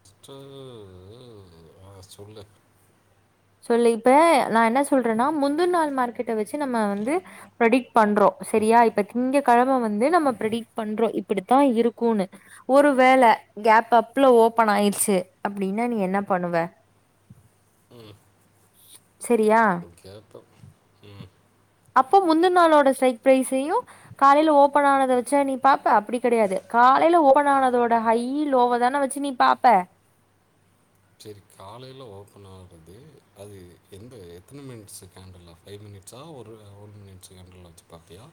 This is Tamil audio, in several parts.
அச்சச்சோ ஓ ஆ சொல்லு சொல்லு இப்ப நா என்ன சொல்றேன்னா முந்துன்நாள் மார்க்கெட்ட வெச்சு நம்ம வந்து ப்ரடிக்ட் பண்றோம் செரியா இப்ப திங்க கெழம வந்து நம்ம ப்ரடிக்ட் பண்றோம் இப்படித்தா இருக்கோன்னு ஒரு வேல கேப் அப்பள ஓபன் ஆயிடுச்சி அப்டின்னா நீ என்னாப் பண்ணுவ ஒ சரியா கேப் அப் அப்போ முந்தன் நாளோட ஸ்ட்ரைக் ப்ரைஸையும் காலையில ஓபன் ஆனத வெச்சா நீ பாப்ப அப்டி கெடையாது காலையில ஓபன் ஆனதோட ஹை லோவ வெச்சி தான நீ பாப்ப செரி காலையில ஓபன் ஆவுறது அது எந்த எத்தன மினிட்ஸ் கேண்டல்ல ஃபை மினிட்ஸா ஒரு ஒன் மினிட்ஸ் கேண்டில்லா வெச்சு பாப்பியா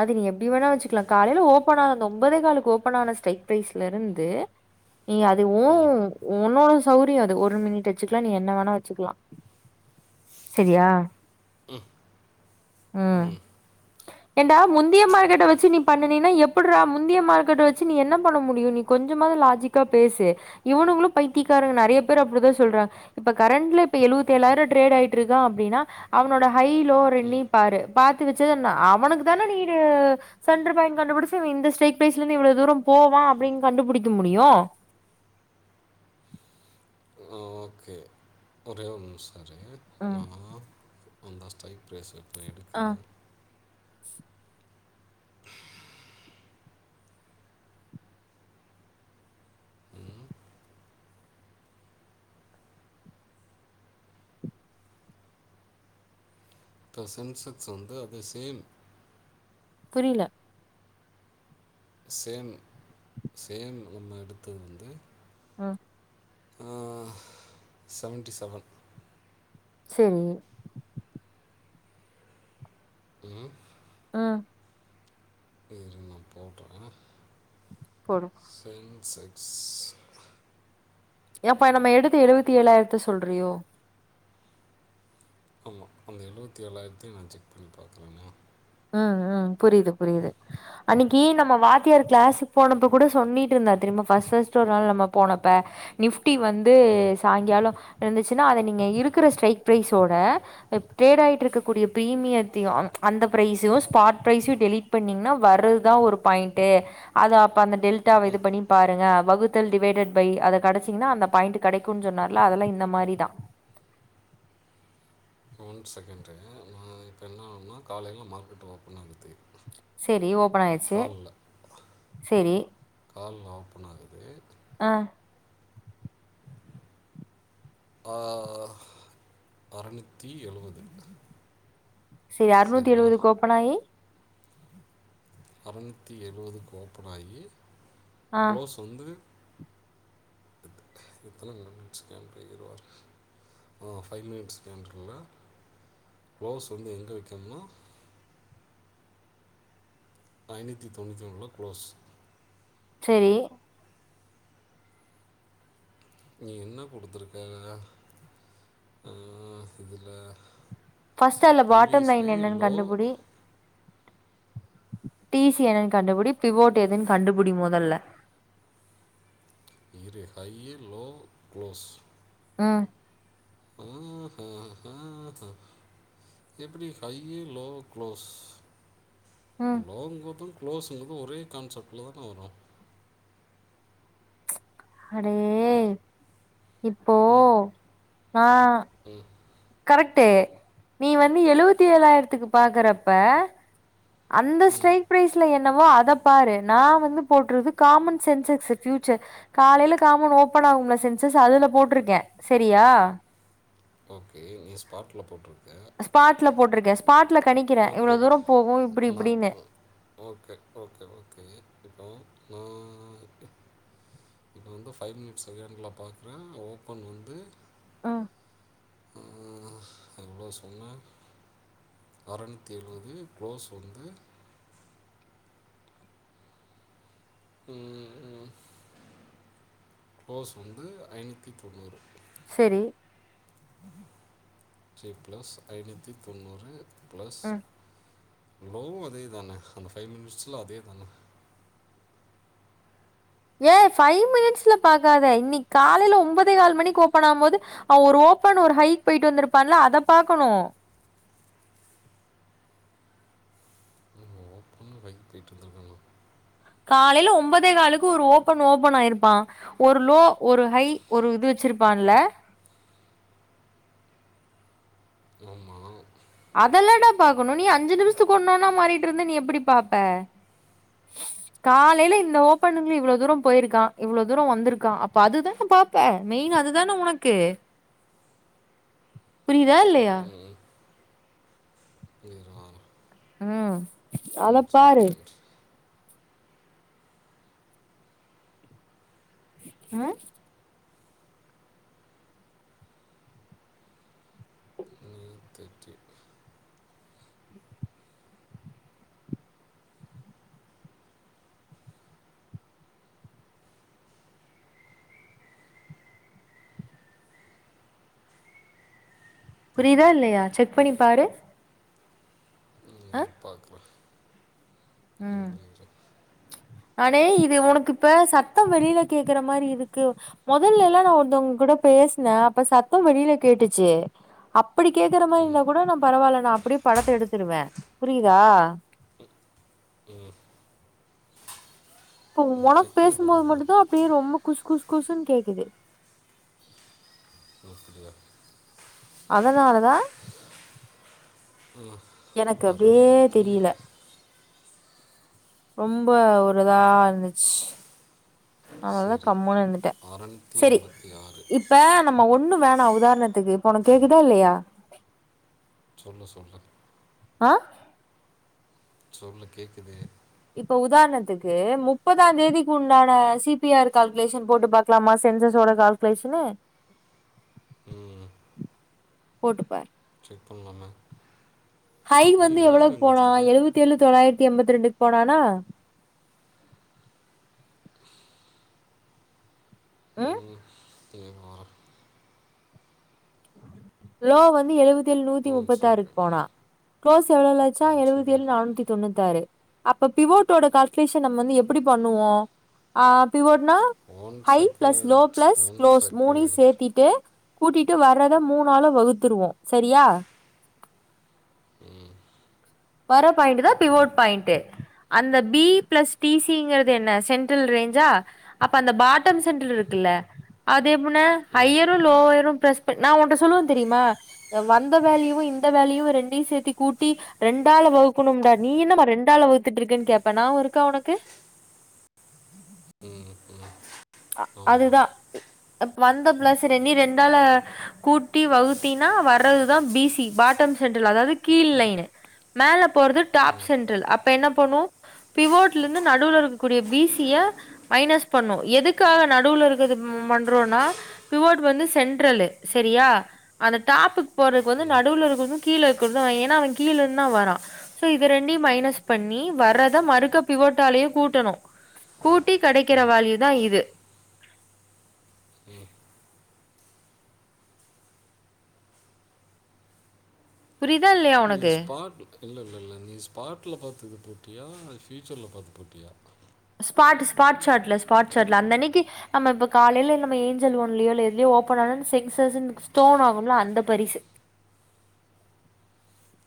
அது நீ எப்டி வேணா வெச்சுக்கலா காலையில ஓபன் ஆன அந்த ஒன்பதே காலுக்கு ஓபன் ஆன ஸ்ட்ரைக் ப்ரைஸ்ல இருந்து நீ அது ஊன் ம் உன்னோட சௌரியோ அது ஒரு மினிட் வெச்சுக்கலா நீ என்ன வேணா வெச்சுக்கலா செரியா உம் ஏன்டா முந்திய மார்கெட்ட வெச்சு நீ பண்ணனினா எப்பிட்றா முந்திய மார்க்கெட்ட வெச்சு நீ என்ன பண்ண முடியு நீ கொஞ்சமாவது லாஜிக்கா பேசு இவனுங்களு பைத்திக்காரனுங்க நெறைய பேர் அப்டிதா சொல்றாங்க இப்ப கரண்ட்ல இப்ப எழுவத் தேழாயிரோ ட்ரேட் ஆயிட் ட்றுகா அப்படின்னா அவனோட ஹைலோ ம் ரென்டையு பாரு பாத்துவச்சது நா அவனுக்கு தானே நீனு செண்டர் பாய்ன்டு கண்டுபிடிச்சு அவ இந்த ஸ்ரைக் பேஸ்லெந்து இவ்வளோ தூர போவான் அப்படின்னு கண்டுபுடிக்க முடியு ஓகே ஒரே ஒர் நிம்ஸ செரி ம் நா அண்டஸ்டாய் பேசு ஆஹ் ம் இப்ப சென்செக்ஸ் வந்து அது சேம் புரியில சேம் சேம் நம்ம எடுத்தது வந்து ஆஹ் அஹ செவன்ட்டி செவன் செரி உம் ஆஹ் இரு நா போட்ற போடு செக்ஸ் ஏப்பா நம்ம எடுத்த எழுவத்தி ஏழாயிரத்த சொல்றியோ ஆமா அந்த எழுவத்தி ஏழாயிரத்தையு நா செக் பண்ணி பாக்குறேனா ஹம் உம் புரியுது புரியுது அன்னிக்கி நம்ம வாத்தியார் கிளாஸுக்கு போனப்ப கூட சொன்னீட் இருந்தார் தெறுமா ஃபர்ஸ்ட் ஃபஸ்ட் ஒரு நாள் நம்ம போனப்ப நிஃப் ஃப்டி வந்து ம் சாய்ங்காலோ இருந்துச்சுன்னா அத நீங்கள் இருக்குற ஸ்டைக் ப்ரைஸோட ப் ட்ரேட் ஆயிட்டுருக்கக்கூடிய பிரீமியத்தையு அங் அந்த ப்ரைஸு ஸ்பாட் ப்ரைஸுயு டெலிட் பண்ணிங்னா வர்றதுதா ஒரு பாயிண்டே அத அப்ப அந்த டொல்ட்டாவ இது பண்ணி பாருங்க வகுத்தல் டிவைடட் பை அத கடைசிங்னா அந்த பயிண்ட் கிடைகு சொன்னார்ல அதெல்லா இந்த மாரி தா ஒன் செகண்டு நா இப்ப என்ன ஆகுனா காலைல மார்க்கெட் ஓப்பன் ஆகுது சேரி ஓபன் ஆயிச்சு காலில் சேரி காலில் ஓப்பன் ஆகுது ஆஹ் ஆஹ அறநூத்தி எழுவது சரி அறநூத்தி எழுவதுகு ஓபனாயி அறநூத்தி எழுவதுக்கு ஓப்பன் ஆயி ஆ க்ளோஸ் வந்து [unintelligible] ஆஹ ஃபைவ் மினிட்ஸ் கேன்டர்ல க்ளோஸ் வந்து எங்க வைக்கணும்னா ஐநூத்தி தொண்ணூத்தி ஒணுல கு்ளோஸ் சேரி நீ என்ன குடுத்துருக்க ஆஹ் இதுல ஃபஸ்ட்டு அல்ல பாட்ட நலைன் என்னன்னு கண்டுபுடி டிசி என்னன்னு கண்டுபுடி பிவோட் எதுனு கண்டுபுடி முதல இரி ஹையு லோ க்ளோஸ் உம் ஆஹா ஆஹா ஆஹா ஆஹா எப்டி ஹையு லோ க்ளோஸ் ம் லங்கா தா க்ளோஸுங்றது ஒரே கான்செப்டல தான வரோ அடேய் இப்போ ம் ஆ ம் கரெக்டு நீ வந்து எழுவத்தி ஏழாயிரத்துக்கு பாக்குறப்ப அந்த ம் ஸ்டெரெய்ட் ப்ரைஸ்ல என் என்வோ அத பாரு நா வந்து போட்ரது காமன் சென்சக்ஸ் ஃப்யூச்சர் காலைல காமன் ஓபன் ஆகும்ல சென்சஸ் அதுல போட்ருக்கே சரியா ஓகே நீ ஸ்பாட்ல போட்ரு இங்க ஸ்பாட்ல போட்ருக்கே ஸ்பாட்ல கணிக்கிறே ஓகே இவ்ளோ தூரோ போகு ம் இப்டி நா இப்டின்னு ஓ ஓகே ஓகே இப்போ ம் இப்போ வந்து ஃபைவ் மினிட்ஸ் செகண்டல பார்க்குற ஓபன் வந்து ஆ ஆ எவ்ளோ சொன்ன அறநூத்தி எழுவது குளோஸ் வந்து ம் ம் க்லோஸ் வந்து ஐநூத்தி தொண்ணூறு சேரி ஜி பிளஸ் ஐநூத்தி தொண்ணூறு ப்ளஸ் ம் லோவு அதே தானே அந்த ஃபைவ் மினிட்ஸ்ல அதே தான ஏ ஃபைவ் மினிட்ஸ்ல பாக்காத இன்னிக் காலையில ஒன்பதேகாலு மணிக்கு ஓபன் ஆவும்போது அவ ஒரு ஓபன் ஒரு ஹைக் போயிட்டு வந்திருப்பான்ல அத பாக்கணோ ஓப்பன் ஃபைவ் போயிட்டு வந்துருக்கனோ காலையில ஒன்பதேகாலுக்கு ஒரு ஓபன் ஓபன் ஆயிருப்பா ஒரு லோ ஒரு ஹை ஒரு இது வெச்சிருப்பான்ல ஆமா அதெல்லாடா பாக்கணு நீ அஞ்சு நிமிஷத்துக்கு ஒண்ணோனா மாறிட்டு இருந்த நீ எப்டி பாப்ப காலைல இந்த ஓபனங்ல இவ்வளவு தூரோ போயிருக்கா இவ்வளவு தூரோ வந்திருக்கா அப்ப அதுதான பாப்பே மெயின் அதுதானே உனக்கு புரிதா இல்லையா இரு வாரேன் ம் அத உம் சட் பாரு ரேட் ஆ உஹ் தர்ட்டி புரியுதா இல்லையா செக் பண்ணி பாரு ஆ பாக்குற ம் அடேய் இது உனக்கு இப்ப சத்தம் வெளில கேக்குற மாரி இருக்கு முதல்லலா நா ஒருத்துவுங்கக் கூட பேசுன அப்ப சத்தோ வெளில கேட்டுச்சு அப்படி கேக்குற மாதிர ம் இருந்த கூட நா பரவாலனா அப்படியே படத்த எடுத்துடுவேன் புரியுதா ம் இப்ப உனக்கு செக் பண்ணி பேசும்போது பார்க்குறீங்களா மட்டும் தான் அப்படியே ரொம்ப குஷ் குஷ் குசுன் கேக்குது அப்படியா அதனாலதா உம் எனக்கு அப்படியே பருடத்தி தெரியல ரொம்ப ஒரு இதா இருந்துச்சு அதனதான் சரி கம்முனு இருந்துட்டேன் அறநூற்றி சரி எண்பத்தி ஆறு இப்ப நம்ம ஒண்ணு வேண உதாரணத்துக்கு இப்ப உனக்கு கேக்குதா இல்லையா சொல்லு சொல்லு ஆ சொல்லு கேக்குது இப்ப உதாரணத்துக்கு முப்பதாம் தேதிக்கு உண்டான சி பி ஆர் கால்குலேஷன் போட்டு பாக்கலாமா சென்சஸோட கால்குலேஷனு உம் போட்டுப்பார் இப்ப நாம ஹைட் வந்து எவ்ளோக்கு போனா எழுபத்தி ஏழு தொள்ளாயிரத் த்தி எம்பத்தி ரெண்டுக்கு போனானா ம் உம் தேம் ஆறு லோ வந்து எழுபத்தி ழு நூத்தி ஒன் முப்பத்தி ஆறுக்கு செகண்ட் போனா குளோஸ் [unintelligible] ஒன் எழுபத்தி ஏழு செகண்ட் நானூத்தி தொண்ணூத்தி ஆறு அப்ப பிவோட்டோட கால்குலேஷன் நம்ம வந்து எப்படி பண்ணுவோம் ஆஹ் பிவோட னா one high plus low second plus one close மூணையும் செகண்ட் சேர்த்திட்டு கூட்டிட்டு வா ங்குறத மூணாள வகுத்துருவோம் சரியா உம் வர பாயிண்ட தான் பி்வோட் பாயிண்ட்டு அந்த பி பிளஸ்டிிசி குறது என்ன சென்ட்ரல் ரேஞ்சுஅ அப்ப அந்த பாட்டோம் சென்ட்ரல் இருக்குத்துல அது எப்படி ல ம் ஹையரும் லோயரும் [unintelligible] நான் உன்னிட்ட சொல்லுவன் தெரியுமா வந்த வெலையும் இந்த வெலயும் ரெண்டையும் சேர்த்தி கூட்டி ரெண்டால வகுக்கணும்டா நீ என்னம்மா ரெண்டால வகுத்துட்டு இருக்கன்னு கேப்பேன் நியாபகம் இருக்கா உனக்கு ஆமாம் அதுதான் வந்த பிளஸ் ர நீ ரெண்டால கூட்டி வகுத்தினா வர்றதுதான் பி சி பாட்டம் சென்ட்ரல் அதாவது கீழ் லைனு மேல போறது டாப் சென்ட்ரல் அப்ப என்ன பண்ணும் பிவோட்ல இருந்து நடுவுல இருக்கக்கூடிய பி சிய மைனஸ் பண்ணும் எதுக்கு க்காக நடுவில் இருக்கது பண்றோம்னா பிவோட் வந்து சென்ட்ரலு சரியா அந்த டாப்புக்கு போறக்கு வந்து நடுவுல இருக்கதுகீழே [unintelligible] ஏன்னா அவன் கீழ இருந்து தான் வரான் சோ இத ரெண்ட மைனஸ் பண்ணி வர்த மறுக்க பிவோட்டாலயே கூட்டணும் கூட்டி கிடைக்கிற ம் வால்யூதான் இது உம் புரியுதா இல்லையா உனக்கு இல்ல இல்ல இல்ல நீ ஸ்பாட்ல பார்த்து இது போட்டியா ஃபியூச்சர்ல பார்த்து போட்டியா ஸ்பாட் ஸ்பாட்ஷட்ல ஸ்பாட்ஷாட்ல அந்த அன்னைக்கு நம்மப்ப காலையில நம்ம ஏஞ்சல் ஓன்லயோ எதுலோ ஓபன் ஆனனு சென்சஸ் ஸ்டோன் ஆகும்ல அந்த பரிசு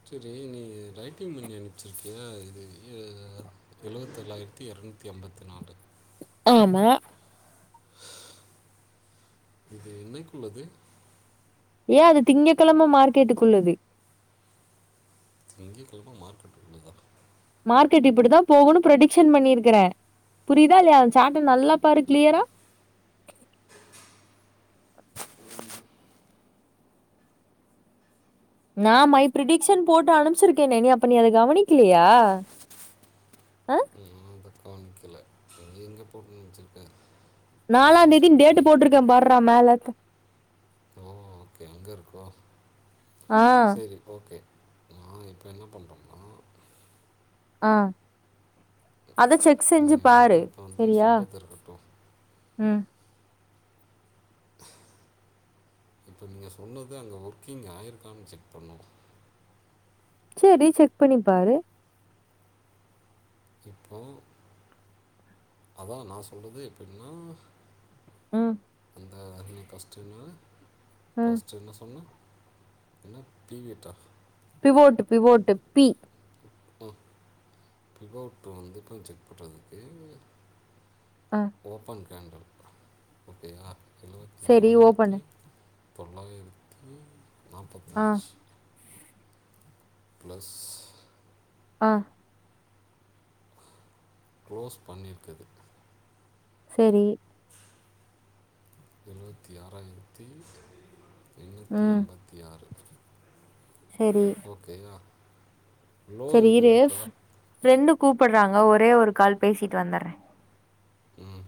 சரி நீ ரைட்டிங் பண்ணி அனுப்பச்சிருக்கிய இது எழுவத்தேழாயிரத்தி இரநூத்தி ஐம்பத்தி நாலு ஆமா இது என்னைக்குள்ளது ஏன் அது திங்ககிழமை மார்க்கேட்டுக்குள்ளது திங்ககெழம மார்க்கெட் உள்ளதா மார்க்கெட் இப்படித்தான் போகும் ப்ரடிக்ஷன் பண்ணிருக்கறே புரியுதா இல்லையான் சாட்டன் நல்லா பாரு கிளியரா நான் மை பிரிடிக்க்ஷன் போட்டு அனுப்பிச்சிருக்கே நீ அப்ப நீ அத கவனிக்கலையா அஹ பண்ணிக்கல எங்க எங்க போட்டு வச்சிருக்கே நாலாந் தங்கம் தேதின்னு டேட்டு சுத்திரம்னு போட்டிருக்கே பார்றா மேல ஓ ஓகே எங்க இருக்கோ ஆ செரி ஓகே நான் இப்போ என்ன பண்றோம்னா ஆ அத செக் செஞ்சு நீங்க வந்து பாரு இப்ப வந்து செரியா சொல்றது இருக்கட்டும். உம் இப்போ நீங்கள் சொன்னது அங்கே ஒர்க்கிங் ஆயிருக்கான்னு செக் பண்ணோம் செரி செக் பண்ணிப்பாரு இப்போ அதா நான் சொல்றது எப்டின்னா ம் அந்த அ ஃபஸ்ட்னா ம் ஃபஸ்ட் என்ன சொன்ன என்ன பிவிட்டா பிவோட்டு பிவோட்டு பி பிவோட் வந்துப் செக் படுறதுக்கு ஆ ஓப்பன் கேண்டல் ஓகேயா செரி ஓபண்ணு தொள்ளாயிரத்தி ஆ நாபத்தஞ் ப்ளஸ் ஆ குளோஸ் பண்ணிற்கது செரி எழுவத்தி ஆறாயிரத்தி எண்ணூத்தி ம் அம்பத்தி ஆறு ஓக்கேய செரி இரு ஃப் ஃப்ரெண்டு கூப்பட்றாங்க ஒரே ஒரு கால் பேசிட் வந்தர்றே உம்